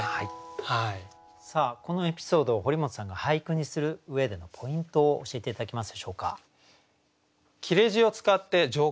さあこのエピソードを堀本さんが俳句にする上でのポイントを教えて頂けますでしょうか。